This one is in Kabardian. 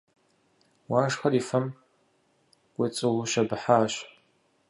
Уашхэр и фэм кӏуэцӏиущэбыхьащ.